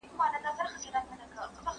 د ناکامۍ او د بري معیار دا نه دی اشنا